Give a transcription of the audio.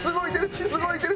すごいいってる！